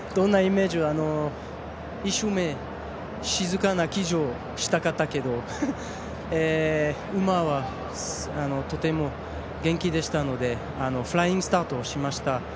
１周目静かな騎乗したかったけど馬はとても元気でしたのでフライングスタートをしました。